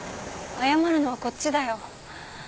謝るのはこっちだよ。